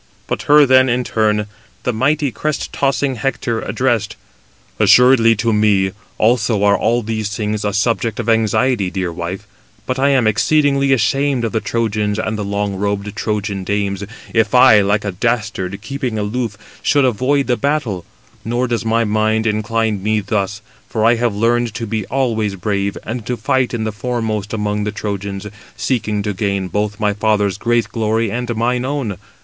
But her then in turn the mighty crest tossing Hector addressed: "Assuredly to me also are all these things a subject of anxiety, dear wife, but I am exceedingly ashamed of the Trojans and the long robed Trojan dames, if I, like a dastard, [keeping] aloof, should avoid the battle: nor does my mind incline me thus, for I have learned to be always brave, and to fight in the foremost among the Trojans, seeking to gain both my father's great glory and mine own.